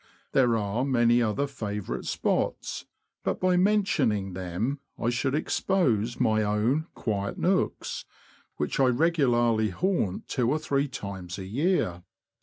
There are many other favourite spots, but by mentioning them I should expose my own '* quiet nooks," which I regularly haunt two or three times a year.